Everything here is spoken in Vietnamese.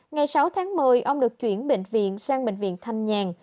ngày sáu tháng một mươi ông được chuyển sang bệnh viện thanh nhàn